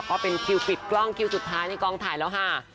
ก็เป็นคิวปิดกล้องคิวสุดท้ายในกองถ่ายแล้วค่ะ